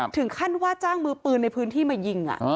ถึงขั้นว่าจ้างมือปืนในพื้นที่มายิง